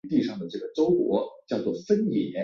出身于茨城县。